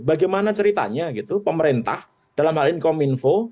bagaimana ceritanya gitu pemerintah dalam hal income info